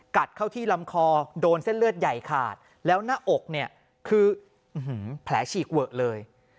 กัดเข้าที่ลำคอโดนเส้นเลือดใหญ่ขาดแล้วหน้าอกเนี่ยคือแผลฉีกเวอะเลย